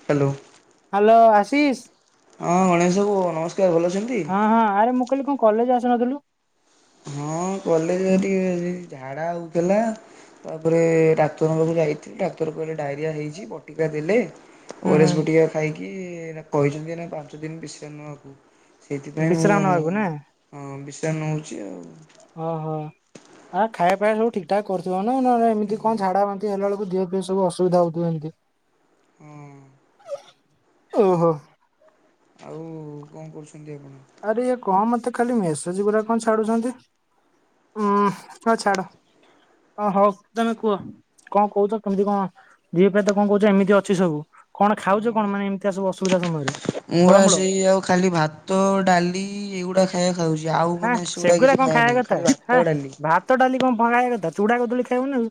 Hello. Hello Ashis? ହଁ ଗଣେଶ ବାବୁ ନମସ୍କାର ଭଲ ଅଛନ୍ତି? ତୁ କଣ କଲେଜ ଆସିନଥିଲୁ? ହଁ କଲେଜ ଟିକେ ଝାଡ଼ା ହଉଥଲା। ତାପରେ ଡାକ୍ତରଙ୍କ ପାଖକୁ ଯାଇଥିଲି ଡାକ୍ତର କହିଲେ ଡାଇରିଆ ହେଇଛି ବଟିକା ଦେଲେ। ହୁଁ ହୁଁ ଓଆରଏସ ବଟିକା ଖାଇକି କହିଛନ୍ତି ଏଇନା ପାଞ୍ଚ ଦିନ ବିଶ୍ରାମ ନବାକୁ। ସେଇଥିପାଇଁ ମୁଁ ବିଶ୍ରାମ ନବାକୁ ନା ଅଁ ବିଶ୍ରାମ ନଉଛି ଆଉ। ଓହୋ ଆ ଖାଇବା ପିଇବା ସବୁ ଠିକ୍ ଠାକ୍ କରୁଥିବ ନା ନହେଲେ ଏମିତି କଣ ଝାଡା ବାନ୍ତି ହେଲା ବେଳକୁ ଦିହ - ଏତେସବୁ ଅସୁବିଧା ହଉଥିବ ଏମତି। ହଁ! ଓହୋ। ଆଉ କଣ କରୁଛନ୍ତି ଆପଣ? ଆରେ ଏ କଁ ମତେ ଖାଲି ମେସେଜ ଗୁରା କଁ ଛାଡୁଛନ୍ତି। ହୁଁ ହ ଛାଡ ଓ ହଉ ତମେ କୁହ। କଣ କହୁଛ କେମିତି କଣ ଯିବା ପାଇଁ ତ କଁ କହୁଛ ଏମିତି ଅଛି ସବୁ। କଣ ଖାଉଛ କଣ ମାନେ ଏମିତିଆ ସବୁ ଅସୁବିଧା ସମୟରେ। ମୁଁ ଆ ଫଳମୂଳ ସେଇ ଆଉ ଖାଲି ଭାତ ଡାଲି ଏଗୁଡା- ଖାଇବା ଖାଉଛି ଆଉ ହାଁ ମାନେ ସେଗୁଡା ସେଗୁରା କିଛି କଣ ଖାଇବା ନାହିଁ କଥା ଖାଲି ହାଁ ଭାତ ଡାଲି- ଭାତ ଡାଲି କଣ [unintelligible] କଥା ଚୁଡା କଦଳୀ ଖାଇବୁ ନାଆଉ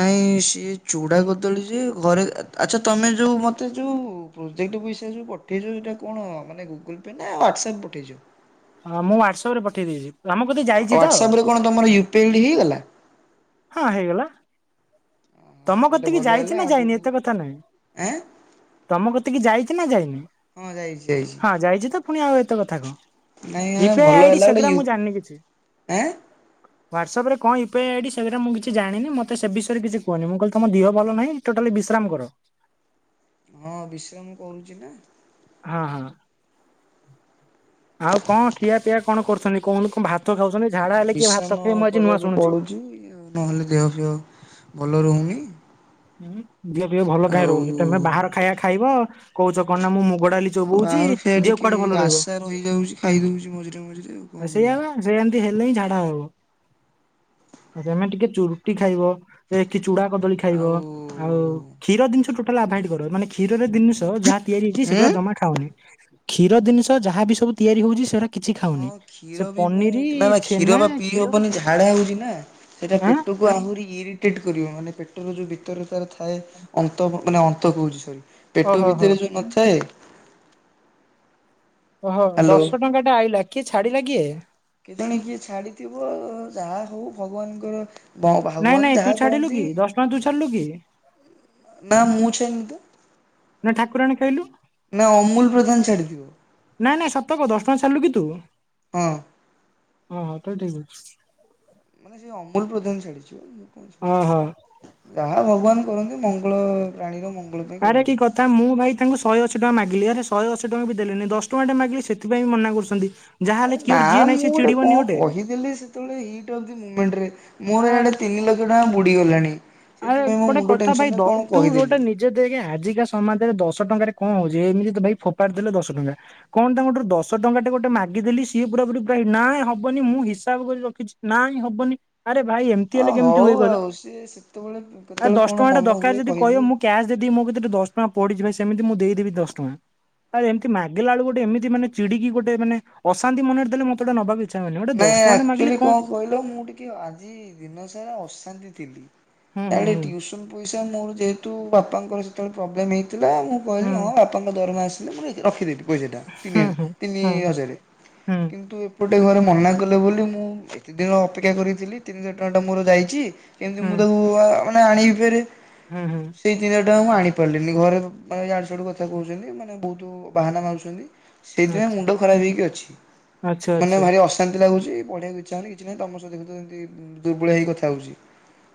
ନାଇଁ ସିଏ ଚୁଡା କଦଳୀ ଯେ ଘରେ ଆଚ୍ଛା ତମେ ଯୋଉ ମତେ ଯୋଉ - ପ୍ରୋଜେକ୍ଟ ବିଷୟରେ ଯୋଉ ପଠେଇଛୁ ସେଇଟା କଣ ମାନେ ଗୁଗୁଲ ପେ ନା ହ୍ୱାଟସଆପ୍ ପଠେଇଛୁ। ହଁ ମୁଁ ହ୍ୱାଟସପରେ ପଠେଇ ଦେଇଛି ତମ କତିକି ଯାଇଛି ତ ହ୍ୱାଟସପରେ ରେ କଣ ତମର ୟୁପି ଆଇଡି ହେଇଗଲା। ହଁ ହେଇଗଲା। ହଁ ତମ ତାହେଲେ କତିକି ଭଲ ଯାଇଛି ହେଲା ନା ଯାଇନି ଆଗକୁ ଏତେ କଥା ନାଇଁ। ଆଁ ତମ କତିକି ଯାଇଛି ନା ଯାଇନି ହଁ ଯାଇଛି ଯାଇଛି। ହଁ ଯାଇଛି ତ ପୁଣି ଆଉ ଏତେ କଥା କଣ ନାଇଁ ଆଁ ୟୁପିଆଇ ଭଲ ଆଇଡି ହେଲା ଗୋଟେ ସେଗୁରା ୟୁ ମୁଁ ଜାଣିନି କିଛି। ଆଁ ହ୍ୱାଟସପରେ କଣ ୟୁପିଆଇ ଆଇଡି ସେଗେରା ମୁଁ କିଛି ଜାଣିନି ମତେ ସେ ବିଷୟରେ କିଛି - କୁହନି ମୁଁ କହିଲି ତମ ଦିହ ଭଲ ନାହିଁ ଟୋଟାଲି ବିଶ୍ରାମ କର। ହଁ ବିଶ୍ରାମ କରୁଚି ନା। ହଁ ହଁ ଆଉ କଣ ଖିଆ ପିଆ କଣ କରୁଛନ୍ତି କଣ ଲୋ କଣ ଭାତ ଖାଉଛନ୍ତି ଝାଡା ହେଲେ କିଏ ବିଶ୍ରାମ ଭାତ ଖାଏ ମୁଁ ଆଜି ନୂଆ କରିବାକୁ ଶୁଣୁଚି ପଡୁଛି ଆଉ ନହେଲେ ଦେହ ଫେହ ଭଲ ରହୁନି। ଉ ହୁଁ ଦିହପିଅ ଭଲ କାଁଇ ଆଉ ରହୁନି ତେମେ ବାହାର ଖାଇବା ଖାଇବ କହୁଛ କଣ ନା ମୁଁ ମୁଗ ଡାଲି ଚୋବୋଉଚି ଏୟା ଟିକେ ଆଶା ରହିଯାଉଛି ଖାଇଦଉଛି ମଝିରେ ମଝିରେ ଆଉ କଣ ସେଇଆ କରିବା। ବା ସେ ଏମିତି ହେଲେ ହିଁ ଝାଡା ହବ। ଆଉ ତମେ ଟିକେ ଚୁ ରୁଟି ଖାଇବ। ଏ କି ଚୂଡା କଦଳୀ ଖାଇବ ଆଉ ଆଉ ଉଁ - କ୍ଷୀର ଜିନିଷ ଟୋଟାଲ ଆଭଏଡ୍ କର ମାନେ କ୍ଷୀରରେ ଜିନିଷ ଯାହା ତିଆରି ହେଇଚି ସେଗୁଡ଼ା ଯମା ଖାଅନି। କ୍ଷୀର ଜିନିଷ ଯାହା ବି ସବୁ ତିଆରି ହଉଛି ସେରା- ହଁ କ୍ଷୀର ବି ମୁ ନା ନା କ୍ଷୀର ଛେନା ବା ପିଇ କ୍ଷୀର ହବନି ଝାଡା ହଉଚି ନା ସେଇଟା ଆଁ ପେଟକୁ ଆହୁରି ଇରି- ଟ୍ରିଟ୍ କରିବ ମାନେ ପେଟର ଯୋଉ ଭିତରେ ତାର ଥାଏ ଅନ୍ତ ମାନେ ଅନ୍ତ କହୁଛି ସରି - ପେଟ ଓହୋ ହୋ ଭିତରେ ଯୋଉଁ ନଥାଏ। ଓହୋ ହ୍ୟାଲୋ ଦଶ ଟଙ୍କାଟା ଆଇଲା କିଏ ଛାଡିଲା କିଏ? କେଜାଣି କିଏ ଛାଡିଥିବ ଅ -ଯାହା ହଉ ଭଗବାନଙ୍କର - ବ ନାଇଁ ଭଗବାନ ନାଇଁ ତୁ ଯାହା ଛାଡିଲୁ କରନ୍ତି କି ଦଶ ଟଙ୍କା ତୁ ଛାଡିଲୁ କି ନା ମୁଁ ଛୁଇଁନି ତ ନା ଠାକୁରାଣେ ଖାଇଲୁ। ନା ଅମୁଲ ପ୍ରଧାନ ଛାଡିଥିବ? ନାଇଁ ନାଇଁ ସତ କହ ଦଶ ଟଙ୍କା ଛାଡିଲୁ କି ତୁ? ହଁ ହଁ ହଁ ତାହେଲେ ଠିକ୍ ଅଛି। ମାନେ ସେ ଅମୁଲ ପ୍ରଦାନ ଓହୋ ଛାଡ଼ିଥିବ ଯାହା ଭଗବାନ କରନ୍ତି ମଙ୍ଗଳ- ପ୍ରାଣୀର ମଙ୍ଗଳ ପାଇଁ କରନ୍ତି। ତା ମୁଁ ଭାଇ ତାଙ୍କୁ ଶହେ ଅଶୀ ଟଙ୍କା ମାଗିଲି ଆରେ ଶହେ ଅଶୀ ଟଙ୍କା ବି ଦେଲିନି ଦଶ ଟଙ୍କା ଟା ମାଗିଲି ସେଥିପାଇ ମନା କରୁଛନ୍ତି। ଯାହାହେଲେ ଆରେ କିଏ ନା ଗୋଟେ ଯିଏ ନାହିଁ ମୁଁ ସେ ଗୋଟେ ଚିଡିବନି କଣ କହିଦେଲି ସେତେବେଳେ ହିଟ ଅଫ ଦି ମୁମେଣ୍ଟ ରେ ଆ ମୋର ୟାଡେ ତିନିିଲକ୍ଷ ଟଙ୍କା ବୁଡ଼ିଗଲାଣି। ଆଏଇ ଗୋଟେ କଥା ଭାଇ ଦ ତୁ ଗୋଟେ କହିଦେଲି। ନି ଜେ ଦେଖେ ଆଜିକା ସମାଜରେ ଦଶ ଟଙ୍କାରେ କଣ ହଉଛି ଏମିତି ତ ଭାଇ ଫୋପାଡି ଦେଲେ ଦଶ ଟଙ୍କା। କଣ ତାଙ୍କଠୁ ଦଶ ଟଙ୍କା ଟେ ଗୋଟେ ମାଗିଦେଲି ସିଏ ପୁରା ପୁରି ନାଇଁ ହବନି ମୁଁ ହିସାବ କରି ରଖିଛି। ନାଇଁ ହବନି ଆରେ ଭାଇ ଏମିତି ହେଲେ କେମିତି ହୁଏ କହିଲ? ଯେ ସେତେବେଳେ ଆଉ କେତେବେଳେ ଦଶ କଣ ଟଙ୍କା ଟା ମନ ଦରକାର ହୁଏ ଯଦି କହିବ କହିଦିଏ। ମୁଁ କ୍ୟାସ ଦେଇଦି ମୋ କତି ରେ ଦଶ ଟଙ୍କା ପଡିଛି ଭାଇ ସେମିତି ମୁଁ ଦେଇଦେବି ଦଶ ଟଙ୍କା। ଆଏ ଏମିତି ମାଗିଲା ଳୁ କୁ ଗୋଟେ ଏମିତି ମାନେ ଚିଡିକି ଗୋଟେ ମାନେ ଅଶାନ୍ତି ମନରେ ଦେଲେ ମତେଟା ନବାକୁ ସାମାନ୍ୟ ଗୋଟେ ନାଇଁ ଦଶ ଟଙ୍କା ଟେ ଆକ୍ଚୁଆଲି ମାଗିଲି କଣ କହିଲ ମୁଁ ଟିକେ ଆଜି ଦିନସାରା ଅଶାନ୍ତି ଥିଲି ହୁଁ ଆଡ଼େ ହୁଁ ଟିଉସନ୍ ପଇସା ମୋର ଯେହେତୁ ବାପାଙ୍କର ସେତେବେଳେ ପ୍ରୋବ୍ଲେମ୍ ହେଇ ଥିଲା ମୁଁ ହୁଁ କହିଲି ହଁ ବାପାଙ୍କ ଦରମା ଆସିଲେ ମୁଁ ରଖିଦେବି ପଇସାଟା ତିନି ହୁଁ ତିନି ହୁଁ ହଜାର। ହୁଁ କିନ୍ତୁ ଏପଟେ ଘରେ ମନା କଲେ ବୋଲି ମୁଁ ଏତେ ଦିନ ଅପେକ୍ଷା କରିଥିଲି ତିନିଶ ଟଙ୍କା ଟା ମୋର ଯାଇଛି ହୁଁ କେମିତି ହୁଁ ମୁଁ ତାକୁ ଆ -ମାନେ ଆଣିବି ଫେରେ? ହୁଁ ହୁଁ। ସେଇ ତିନିହଜାର ଟା ମୁଁ ଆଣିପାରିଲିନି ଘରେ ମାନେ ଆଡୁ ସୁଆଡ଼ୁ କଥା କହୁଛନ୍ତି ମାନେ ବହୁତ ବାହାନା ମାରୁଛନ୍ତି। ସେଇଥିପାଇଁ ଆଚ୍ଛା ମୁଣ୍ଡ ଖରାପ ହେଇକି ଅଛି ଆଚ୍ଛା ମାନେ ଆଚ୍ଛା ଭାରି ଅସୁ ଶାନ୍ତି ଲାଗୁଛି ପଢେଇଆକୁ ଇଚ୍ଛା ହଉନି କିଛି ନାହିଁ ତମ ସ ଏନ୍ତି ଦୁର୍ବଳ ହେଇ କଥା ହଉଛି।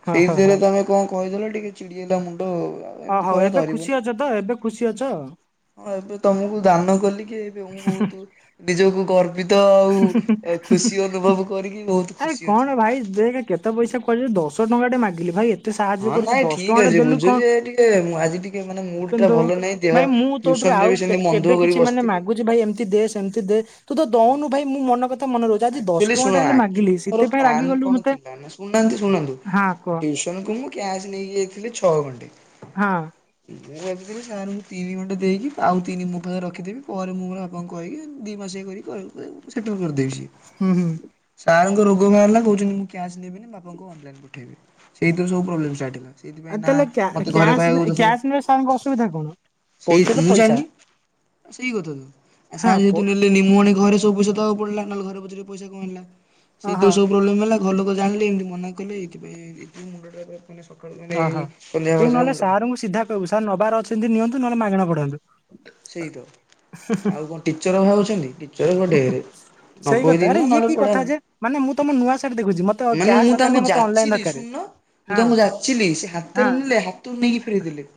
ହଁ ହଁ ସେଇଥିରେ ହଁ ତମେ କଣ କହିଦେଲ ଟିକେ ଚିଡିଏ ଲା ମୁଣ୍ଡ ଆଉ। ଏମିତି ଓହଉ କହିବା ଏବେ ଖୁସି ଧରିବନି। ଅଛ ତ ଏବେ ଖୁସି ଅଛ? ହଁ ଏବେ ତମକୁ ଦାନ କଲିକି ଏବେ ମୁଁ ବହୁତ ନିଜକୁ ଗ ତ ଆଉ ଖୁସି ଅନୁଭବ କରିକି ବହୁତ ଖୁସି ଅଛି। ଦେଗେ କେତେ? ତ ପଇସା କଇଲ ଦଶ ଟଙ୍କା ଟେ ମାଗିଲି ଭାଇ ତେ ସାହାଯ୍ୟ ହଁ କରୁଛି ନାଇଁ ଦଶ ଠିକ୍ ଟଙ୍କା ଟା ଅଛି ଦେଲୁ କଣ ବୁଝୁଛି ଯେ ଟିକେ ଆଜି ଟିକେ ମାନେ ମୁଡ୍ ଟା କିନ୍ତୁ ଭଲ ନାହିଁ ଦେହ ଭାଇ ମୁଁ ତୋ ଠୁରୁ ଟ୍ୟୁସନ ରେ ଆଉ ବି କେବ ସେମିତି ମନ କେବେ ଦୁଃଖ କରି କିଛି ମାନେ ବସିଥିଲି। ମାଗୁଛି ଭାଇ ଏମିତି ଦେ ସେମିତି ଦେ ତୁ ତ ଦଉନୁ ଭାଇ ମୁଁ ମନ କ ଆକଚ୍ବଲି ଶୁଣ ଆକଚ୍ବଲି ମୋର ସେଥିପାଇଁ ପ୍ଲାନ ରାଗିଗଲୁ କଣ ମତେ ଥିଲା ନା ଶୁଣନାହାନ୍ତି ଶୁଣନ୍ତୁ ହଁ କହ ଟ୍ୟୁସ ଜଣ ଙ୍କୁ ମୁଁ କ୍ୟାସ୍ ନେଇକି ଇଥିଲି ଛଅ ଘଣ୍ଟେ ହଁ। ମୁଁ ଭାବିଥିଲି ତିନି ଅଣ୍ଡ ଦେଇକି ଆଉ ତିନି ମୋ ପାଖରେ ରଖିଦେବି ପରେ ମୁଁ ମୋର ଏବଂ କହିକି ଦିଇ ମାସିଆ କରିକି ସେଟଲ୍ କରିଦେଇଛି। ହୁଁ ହୁଁ। ସାର ଙ୍କ ରୋଗ ବାହାରିଲା କହୁଛନ୍ତି ମୁଁ କ୍ୟାସ୍ ନେବିନି ବାପାଙ୍କୁ ଅନଲାଇନ୍ ପଠାଇବି ସେଇଥିରୁ ସବୁ ପ୍ରୋବ୍ଲେମ୍ ଷ୍ଟାର୍ଟ ହେଲା। ଆଉ ସେଇଥିପାଇଁ ନା ତାହେଲେ କ୍ୟା- ମତେ ଘରେ କ୍ୟାସ୍ ନେ- କହିବାକୁ ତ କ୍ୟାସ୍ ନେଲେ ସାରଙ୍କ ଅସୁବିଧା କଣ? ସଉ ପଇସା ତ ସେଇ ମୁଁ ପଇସା ଜାଣିନି। ସେଇ କଥା ତ ଆ ହଁ ସାର୍ ଯେହେତୁ ପ- ନେ ନିମଣି ଘରେସଉ ପଇସାଦବା କୁ ପଡ଼ଲା ନହେଲେ ଘରେ ପଛରେ ପଇସା କଣ ହେଲା? ସେଇଥି ଓହୋ ତ ସବୁ ପ୍ରୋବଲେମ ହେଲା ଉ। ଘଲୋକ ଜାଣିଲେ ଏମିତି ମନା କଲେ ଏଇଥିପାଇଁ ମୁଣ୍ଡଟା ତୁନେ ସକାଳୁ ମାନେ ଏଇ ସନ୍ଧ୍ୟା ବେଳ ସା ମୁଣ୍ଡ ଖ ଓଉ ସା ନବାର ଅଛନ୍ତି ନିଅନ୍ତୁ ନହେଲେ ମାଗେଣା ପଡାନ୍ତୁ। ସେଇ ତ ଆଉ କଣ ଟିଚର ଭାବୁଛନ୍ତି ଟିଚର ପା ଢ଼େରେ। ସେଇ ନବ କଥା ଯଦି ଆରେ ନିଅ ଇଏ ନହେଲେ କି ପଢା କଥା ଯେ ମାନେ ମୁଁ ତମ ନୂଆ ସାର୍ଟ ଦେଖୁଛି ମତେ ମାନେ କ୍ୟାସ୍ ମୁଁ ଦରକାର ତାଙ୍କୁ ନାହିଁ ମତେ ଅନଲାଇନ ଯାଚିଲି ଦରକାର ଶୁଣୁନ ମୁଁ ହଁ ତାଙ୍କୁ ଯାଚିଲି ସେ ହାତେ ହଁ ରେ ନେଲେ ହାତ ରୁ ନେଇକି ଫେରେଇଦେଲେ।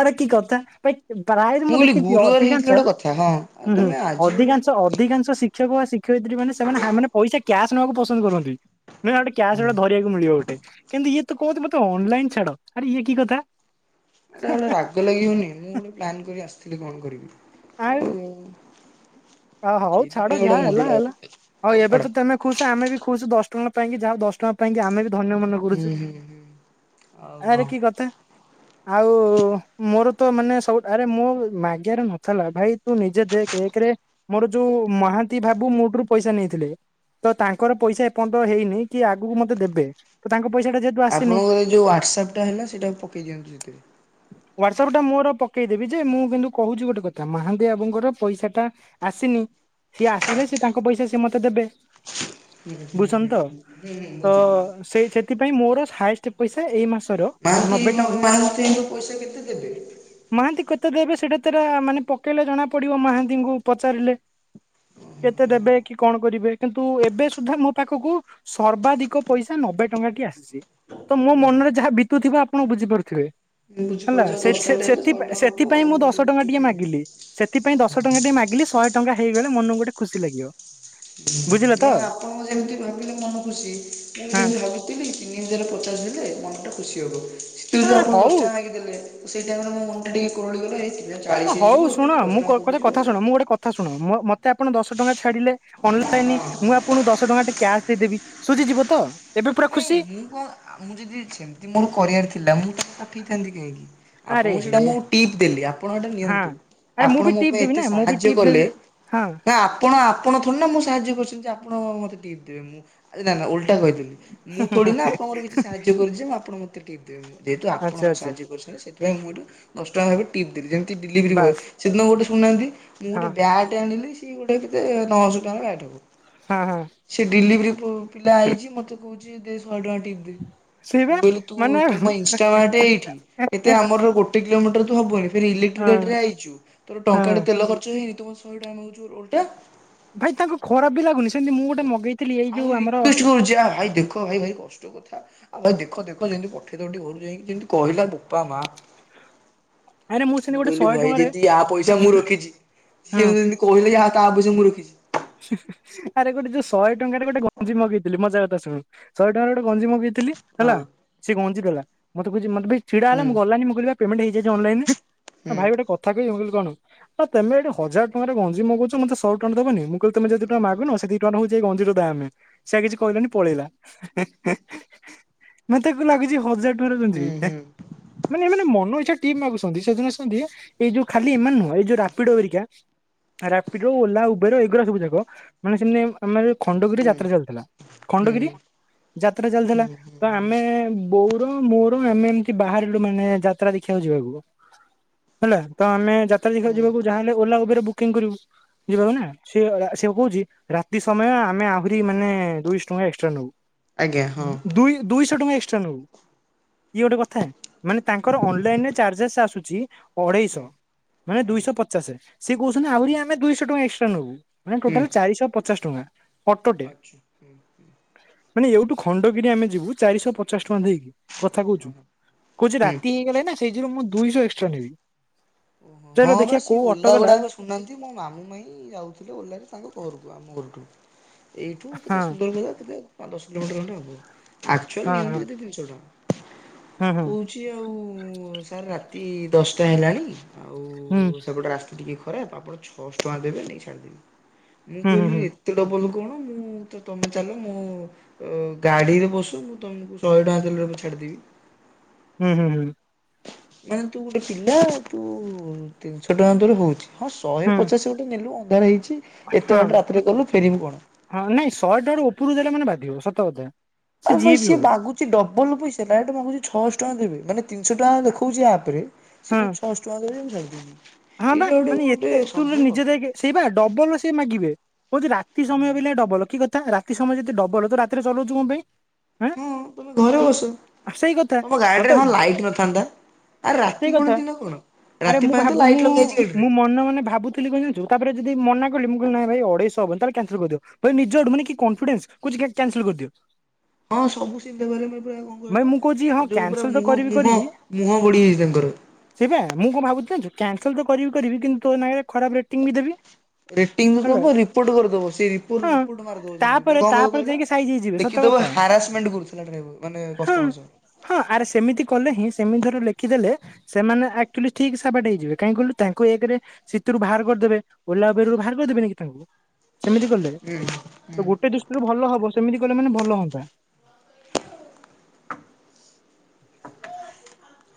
ଆରେ କି କଥା ଭାଇ ପ୍ରାୟେ ମୁଁ କହିଲି ଦେଖିଛି ଗୁରୁବାର ହେଇଥିଲେ ଅଧିକାଂଶ ଗୋଟେ କଥା ହଁ ଆଉ ହୁଁ ହୁଁ ତମେ ଆଜି ଗୋଟେ ଅଧିକାଂ ଅଧିକାଂଶ ଶିକ୍ଷକ ବା ଶିକ୍ଷୟିତ୍ରୀ ମାନେ ସେମାନେ ହା ମାନେ ପଇସା କ୍ୟାସ୍ ନବାକୁ ପସନ୍ଦ କରନ୍ତି। ନି ଆଉଡେ କ୍ୟାସ୍ ଗୋଟେ ଧରିବାକୁ ମିଳିବ ଗୋଟେ କିନ୍ତୁ ଇଏ ତ କହନ୍ତି ମୋତେ ଅନଲାଇନ ଛାଡ। ଆରେ ଇଏ କି କଥା? ଗୋଟା ଗୋଟେ ରାଗ ଲାଗିବନି ମୁଁ ଗୋଟେ ପ୍ଲାନ୍ କରି ଆସିଥିଲି କଣ କରିବି? ଆଉ ମୁଁ? ଅ, ହଉ ଛାଡ ଯାହା ହେଲା ହେଲା ହଉ ଏବେ ତତେ ତମେ ଖୁସ ଆମେ ବି ଖୁସ ଦଶ ଟଙ୍କା ପାଇଁ କି ଯାହା ହଉ ଦଶ ଟଙ୍କା ପାଇଁକ ଆମେ ଧନ୍ୟ ମନେ କରୁଛୁ ହୁଁ ହୁଁ ହୁଁ। ଆଉ ଆରେ ହଁ କି କଥା? ଆଉ ମୋର ତ ମାନେ ସବୁ ଆରେ ମୋ ମାଗିଆରେ ନଥିଲା ଭାଇ ତୁ ନିଜେ ଦେଖେ ଏକେରେ ମୋର ଯୋଉ ମହାନ୍ତି ଭାବୁ ମୋଠୁ ପଇସା ନେଇଥିଲେ। ତ ତାଙ୍କର ପଇସା ଏପର୍ଯ୍ୟନ୍ତ ହେଇନି କି ଆଗକୁ ମତେ ଦେବେ ତ ତାଙ୍କ ପଇସା ଟା ଯେତେ ଆପଣଙ୍କର ଯେଉଁ ହ୍ୱାଟ୍ସପଟା ହେଲା ସେଇଟା ପକାଇ ଦିଅନ୍ତୁ ସେଥିରେ। ହ୍ୱାଟସଆପ୍ ଟା ମୋର ପକେଇଦେବି ଯେ ମୁଁ କିନ୍ତୁ କହୁଛି ଗୋଟେ କଥା ମହାନ୍ତି ବାବୁଙ୍କର ପଇସା ଟା ଆସିନି ସିଏ ଆସିଲେ ସେ ତାଙ୍କ ପଇସା ସିଏ ମତେ ଦେବେ। ହୁଁ ହୁଁ ବୁଝୁଛନ୍ତି ହୁଁ ତ ହୁଁ ହୁଁ ତ ବୁଝିଲି? ସେଇ ସେଥିପାଇଁ ମୋର [unintelligible] ଏତେ ପଇସା ଏଇ ମାସର ମହାନ୍ତି ନବେ ଟଙ୍କ ମହାନ୍ତିଙ୍କୁ ପଇସା କେତେ ଦେବେ? ମାହାନ୍ତି କେତେ ଦେବେ ସେଇଟା ତରା ମାନେ ପକେଇଲେ ଜଣା ପଡିବ ମହାନ୍ତିଙ୍କୁ ପଚାରିଲେ? କେତେ ହଁ ଦେବେ ହଁ କି କଣ କରିବେ? କିନ୍ତୁ ଏବେ ସୁଦ୍ଧା ମୋ ପାଖକୁ ସର୍ବାଧିକ ପଇସା ନବେ ଟଙ୍କା ଟି ଆସିଛି। ତ ମୋ ହୁଁ। ମନରେ ଯାହା ବିତୁଥିବ ଆପଣ ବୁଝିପାରୁଥିବେ? ମୁଁ ହେଲା ବୁଝିପାରୁଛି ଆଉ ସେ ଦଶ ଟଙ୍କାଟେ ହେଲେ ସେଥି ଶହେ ଟଙ୍କା ହବ ଆଉ ସେଥିପାଇଁ ମୁଁ ଗୋଟେ ଦଶ ଟଙ୍କା ଗୁପଚୁପ୍ ଟିକେ ଖାଇବି। ମାଗିଲି ସେଥିପାଇଁ ଦଶ ଟଙ୍କା ଟିକେ ମାଗ। ମାଗିଲି ଶହେଟଙ୍କା ହେଇଗଲେ ମନକୁ ଗୋଟେ ଖୁସି ଲାଗିବ? ବୁଝିଲେ ତ ନା ଆପଣ ଯେମିତି ଭାବିଲେ ମନ ଖୁସି ମୁଁ ହଁ ଯେମିତି ଭାବ ପ ତିନି ହଜାରରେ ପଚାଶ ଦେଲେ ମନଟା ଖୁସି ହେବ ସେଥିବେରୁ ଆରେ ଆପଣ ହଉ ଦଶଟଙ୍କା ମାଗି ଦେଲେ। ସେଇ ଟାଇମରେ ମୋ ମନ ଟା ଟିକେ [unintelligible] ଗ ହେଇଥିଲା। ହଉ ଶୁଣ ମୁଁ କ କଥା ଶୁଣ ମୁଁ ଗୋଟେ କ ଶୁଣ ମତେ ଆପଣ ଦଶ ଟଙ୍କା ଛାଡିଲେ ଅନଲାଇନ ମୁଁ ଆପଣଙ୍କୁ ଦଶ ଟଙ୍କା ଟେ କ୍ୟାସ୍ ଦେଇଦେବି ସୁଝି ଯିବ ତ? ଏବେ ପୁରା ନାଇଁ ଖୁସି ମୁଁ କଣ? ମୁଁ ଯଦି ସେମିତି ମୋର କରିଆର ଥିଲା ମୁଁ ତେ ପଠେଇଥାନ୍ତି କାହିଁକି ଆରେ ଆପଣଙ୍କୁ ସେଟା ହେ ମୋ ଟିପ୍ ଦେଲି ଆପଣ ଏଇଟା ହଁ ନିଅନ୍ତୁ ଆରେ ମୁଁ ଆପଣ ବି ମୋ ଟିପ୍ ପାଇଁ ଦେବି ଏତେ ନା ମୁଁ ବି ସାହାଯ୍ୟ ଟିପ୍ ଦେବି। କଲେ ହଁ ନା? ଆପଣ ଆପଣ ଥରେ ନା ମୁଁ ସାହାଯ୍ୟ କରିଛନ୍ତି ଆପଣ ମୋତେ ଟିପ୍ ଦେବେ ମୁଁ ଆ ନା ନା ଓଲ୍ଟା କହିଦେଲି? ମୁଁ ଥୋଡି ନା ଆପଣଙ୍କର କିଛି ସାହା ସାହାଯ୍ୟ କରିଛି ମୁଁ ଆପଣ ମୋତେ ଟିପ ଦେବି ମୁ ଯେହେତୁ ଆପଣ ଆଚ୍ଛା ଆଚ୍ଛା ସାହାଯ୍ୟ କରିଛନ୍ତି ସେଥିପାଇଁ ଏଇଠି ଦଶଟା ଭାବେ ଟିପ୍ ଦେଲି ଯେମିତି ଡେଲିଭରି ବଏ ବାସ୍ ସେଦିନ ଗୋଟେ ଶୁଣୁନାହାନ୍ତି ମୁଁ ଗୋଟ ହଁ ବ୍ୟାଗଟେ ଆଣିଲି। ସ ଗୋଟେ କେତେ ନଅଶହ ଟଙ୍କା ବ୍ୟାଗ୍ ହଁ ହଁ ସେ ଡେଲିଭରି ପିଲା ଆଇଛି ମତେ କହୁ ଶହେ ଟଙ୍କା ସେଇବା ମୁଁ କହିଲି ତୁ ମାନେ ହଁ ତମ [unintelligible] ଏଇଠି। ଏତେ ଆମର ଗୋଟେ କିଲୋମିଟର ତ ହବନି ଫେର ଇଲେକ୍ଟ୍ରିକ ଗାଡିରେ ଆଇଛୁ। ତୋର ଟଙ୍କାଟେ ହଁ ତେଲ ଖର୍ଚ୍ଚ ହେଇନି ତୁ ମତେ ଶହେ ଟଙ୍କା ମାଗୁଛି ଓଲଟା। ଭାଇ ତାଙ୍କୁ ଖରାପ ବି ଲାଗୁନି ସେମିତି ମୁଁ ଗୋଟେ ମଗେଇଛି। ଆହୁରି ରିକ୍ୱେଷ୍ଟ କରୁଛି ଆ ଭାଇ ଦେଖ ଭାଇ ଭାରି କଷ୍ଟ। ଥା ଆଉ ଭାଇ ଦେଖ ଦେଖ ଯେମିତି ପଠେଇ ଦବ ଘରୁ ଯାଇକି ଯେମିତି କହିଲା ବୋପା ମା। ଆରେ ସେମିତି ମୁଁ ଗୋଟେ କହିଲି ଶହେ ଭାଇ। ଟଙ୍କାରେ ଯେମିତି ୟା ପଇସା ମୁଁ ରଖିଛି ସେମତି କହିଲି ଯେ ତା ଆ ତା ପଇସା ମୁଁ ରଖିଛି। ହ ଆରେ ଗୋଟେ ଯୋଉ ଶହେଟଙ୍କାରେ ଗୋଟେ ଗଞ୍ଜି ମଗେଇଥିଲ ମଜା କଥା ଶୁଣ ଶହେ ଟଙ୍କାରେ ଗୋଟେ ଗଞ୍ଜି ମଗେଇଥିଲି। ଥିଲି ହେଲା ହଁ ସେ ଗଞ୍ଜି ଦେଲା ମତେ କହୁଛି ମଧୁଭାଇ ଛିଡା ହେଲା ହୁଁ ମୁଁ ଗଲାନି ମୁଁ କହଲି ଭକୁ। ପେମେଣ୍ଟେ ହେଇଯାଇଚି ଅନଲାଇନିରେ ହୁଁ। ଭାଇ ଗୋଟେକ ଠାକୁର ଅନୁକୁଳ ଚନ୍ଦ୍ର ତମେ ଏଠି ହଜାର ଟଙ୍କାରେ ଗଞ୍ଜି ମଗଉଛ ମତେ ଶହେ ଟଙ୍କା ଦେବନି ମୁ। କହୁଚି ତମେ ଯୋଉ ଦି ହୁଁ ଟଙ୍କା ମାଗୁନ ସେ ଦି ଟଙ୍କା ହଉଚିଏଇ ଗଞ୍ଜିର ଦାଆମେ ସେ କିଛି କହିଲାନି ପଳେଇଲା। ମ ତେ ତ ଲାଗୁଚି ହଜାରେ ଟଙ୍କାର ଗଞ୍ଜି। ହୁଁ ହୁଁ ହୁଁ ମାନେ ମାନେ ମନ ଇଛା ଟିମ୍ ମାଗୁଛନ୍ତି ସେଦିନ ସେମିତି ଏଇ ଯୋଉ ଖାଲି ଏ ମାନେ ଏଇ ଯଉ ରାପିଡେ କରୁଛ। ରାପିଡ଼ୁ ଓଲା ଉବେର ଏ ଗୁରା ସବୁ ଯାକ। ମାନେ ସେମିତି ଆମର ଖଣ୍ଡଗିରି ହୁଁ ଯାତ୍ରା ଚାଲୁଥିଲା ହୁଁ ଖଣ୍ଡଗିରି। ଯାତ୍ରା ଚାଲିଥିଲା ହୁଁ ହୁଁ ତ ହୁଁ। ଆମେ ବଉ। ମୋର ମନ ଏମିତି ବାହାରିଲୁ ମାନେ ଯାତ୍ରା ଦେଖିବାକୁ ଯିବାକୁ। ହେଲା ତ ଆମେ ଯାତ୍ରା ହୁଁ ଦେଖିବାକୁ ଯିବାକୁ ଯାହାହେଲେ ଓଲା ଉବେର ବୁକିଂ କରୁବୁ ଯିବାକୁ ନା। ସିଏ ସିଏ କହୁଛି ରାତି ସମୟ ଆମେ ଆହୁରି ମାନେ ଦୁଇଶହ ଟଙ୍କା ଏକ୍ସଟ୍ରା ନବୁ। ଆଜ୍ଞା ହଁ ଦୁଇ ଦୁଇଶହ ଟଙ୍କା ଏଟ୍ରା ନବୁ। ଇଏ ଗୋଟେ କଥା ନା ମାନେ ତାଙ୍କର ଅନଲାଇନରେ ଚାର୍ଜେସ୍ ଆସୁଛି ହୁଁ ଅଢେଇଶହ ମାନେ ଆଜ୍ଞା ଦୁଇଶହ ପଚାଷେ ସିଏ କହୁଛନ୍ତି ଆହୁରି ଆମେ ଦୁଇଶହ ଟଙ୍କା ଏକ୍ସଟ୍ରା ନବୁ। ମାନେ ହୁଁ ଟୋଟାଲ୍ ଚାରିଶ ପଚାଶ ଟଙ୍କା। ଅଟୋଟେ ଆଚ୍ଛା ହୁଁ ହଁ। ମାନେ ଏଇଠୁ ଖଣ୍ଡଗିରି ଆମେ ଯିବୁ ଚାରିଶହ ପଚାଶ ଟଙ୍କା ଦେଇକି। କଥା ହଁ କହୁଚୁ ହଁ କହୁଚି ହୁଁ ରାତି ହେଇଗଲା ନା ସେଇଯୋଗୁ ମୁଁ ଦୁଇଶ ଏକ୍ସଟ୍ରା ନେବି। ଚାଲ ହଁ ବା ଦେଖିବା ସେ କୋଉ ଅଟୋ ଉଲା ବାଲା ଗୁଡାକ। ଶୁଣୁନାହାନ୍ତି ମୋ ମାମୁଁ ମାଇଁ ଯାଉଥିଲେ ଓଲାରେ ତାଙ୍କ ଘରକୁ ଆମ ଘରଠୁ। ଏଇଠୁ କେତେ ହଁ ସୁନ୍ଦରଗଡ କେତେ ପା ଦଶ କିଲୋମିଟର ଖଣ୍ଡେ ହବ ଆକ୍‌ଚାଲି ହଁ ନିଅନ୍ତି ହଁ କେତେକି? ହଁ ହଁ। କହୁଚି ଆଉ ସାର୍ ରାତି ଦଶଟା ହେଲାଣି। ଆଉ ହୁଁ ସେପଟେ ରାସ୍ତା ଟିକେ ଖରାପ ଆପଣ ଛଅଶହ ଟଙ୍କା ଦେବେ ନେଇ ଛାଡ଼ିଦେବି। ମୁଁ ହୁଁ ହୁଁ କହିଲି ହୁଁ ଏତେ ଡବଲ୍ କଣ ମୁଁ ତ ତମେ ଚାଲ ମୁଁ ଗାଡିରେ ବସୁ ମୁଁ ତମକୁ ଶହେ ଟଙ୍କା ତେଲରେ ଛାଡିଦେବି। ହୁଁ ହୁଁ ହୁଁ। ମାନେ ତୁ ଗୋଟେ ପିଲା ତୁ ତିନିଶ ଟଙ୍କା ତୋର ହଉଚି। ହଁ ଶହେ ହୁଁ ପଚାଶ ଗୋଟେ ନେଲୁ ଅନ୍ଧାର ହେଇଛି ଏତେ ହଁ ବାଟ ରାତିରେ ଗଲୁ ଫେରିବୁ କଣ। ହଁ ନାଇଁ ଶହେଟଙ୍କା ରୁ ଉପରକୁ ଦେଲେ ମାନେ ବାଧିବ ସତ ବଥା। ଆବେ ସିଏ ବଗୁରୁ। ସେ ଡବଲ୍ ପଇସାଡାଇରେକ୍ଟେ ମାଗୁଚି ଛଅଶଟଙ୍କା ଦେବେ ମାନ ତିନିଶହ ଟଙ୍କା ଦେଖଉଛି ଆପରେ ସେ ହଁ କହୁଛି ଛଅସ। [inaudible] ହଁ ବା ମାନେ ଏତେ ତୁ ନିଜେ ଦେଖେ। ସେଇ ପା ଡବଲ ସିଏ ମାଗିବ କଉଚି ରାତି ସମୟ ବୋଲିକା ଡବଲ କି କ ରାତି ସମୟ ଯଦି ଡବଲ ତୁ ରାତିରେ ଚଲଉଚୁ କଣ ପାଇଁ। ଆଁ ହୁଁ ତୁମେ ଘରେ ତୁ ବସ ସେଇ କଥା ତମ ଗାଡିରେ ତତେ ହଁ ଲାଇଟ ନଥାନ୍ତା। ଆରେ ସେଇ ରାତି କଥା କଣ ଦିନ କଣ ଆରେ ରାତି ମୁଁ ପାଇଁ ଭାବ ତ ମୁଁ ଲାଇଟ୍ ଲଗେଇଛି ମୁଁ ଗାଡିରେ। ମନେ ମନେ ଭାବୁଥିଲି କଣ ଜାଣିଛୁ ତାପରେ ଯଦି ମନା କଲି ମୁଁ କହିଲି ନାଇଁ ଭାଇ ଅଡ଼େଇଶ ହବନି ତାମାନେ କ୍ୟନେସେଲ୍ କରିଦିଅ। ନିଜ ଆଡୁ ମାନେ କି କନ୍ ଫିଡେନସ୍ କହୁଛି କ୍ୟାନେସେଲ୍ କରିଦିଅ। ହଁ ସବୁ ସିଧ୍ୟଵନ୍ଧ ନେଇଥିବେ ଆଉ କଣ ଭାଇ ମୁଁ କହୁଛି ହଁ କହିଲ? ଯୋଉ ପୁରା କ୍ୟାନସଲ ତ ମୁହ ମୁହଁ ମୁହଁ ବଢିଯାଇଛି ତାଙ୍କର। ସେଇ ପା ମୁଁ କଣ ଭାବୁଛି ଯାଣିଚୁ କ୍ୟାନସେଲ୍ ତ କରିବି କରିବି କିନ୍ତୁ ତୋ ନାଁରେ ଖରାପ ରେଟିଂ ବି ଦେବି। ରେଟିଙ୍ଗ୍ ହେଲା ଦବୁ ରିପୋର୍ଟ କରିଦେବୁ ସେଇ ରିପୋର୍ଟ ହଁ ରିପୋର୍ଟ ମାରିଦବ ଯେମତି ପରେ ତାପରେ କଣ କହିବୁ ତାପରେ କହିଲା। ଯାଇକି ସାଇଜ ହେଇଯିବେ ସତ ଦେଖି ଦେବୁ୍ କଥା ହାରାସମେଣ୍ଟ୍ କରୁଥିଲା ଡ୍ରାଇଭର ମାନେ ହଁ କଷ୍ଟମର ସହ। ହଁ ଆରେ ସେମିତି କଲେ ହିଁ ସେମିତି ଧର ଲେଖିଦେଲେ ସେମାନେ ଆକଚୁଆଲି ଠିକ ସାବାଟ ହେଇଜିବେ। ଯିବେ କାହିଁ କହିଲୁ ତାଙ୍କୁ ଏକରେ ସେତୁରୁ ଭାର କରିଦେବେ ଓଲାବେରିରୁୁ ବାହାର କରିଦେବେନି କି ତାଙ୍କୁ? ସେମିତି କଲେ ହୁଁ ତ ହୁଁ ଗୋଟେ ଦୁଷ୍ଟିରୁ ଭଲ ହବ ସେମିତି କଲେ ମାନେ ଭଲ ହୁଅନ୍ତା।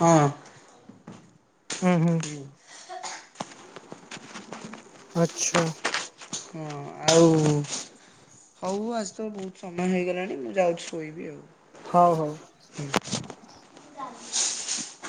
ହଁ। ହୁଁ ହୁଁ। ହୁଁ। ଆଛା। ହଁ ଆଉ ହୋଉ ଆଜି ତ ବୋହୁତ ସମୟ ହେଇଗଲାଣି ମୁଁ ଯାଉଚି ଶୋଇବି ଆଉ। ହୋଉ ହୋଉ।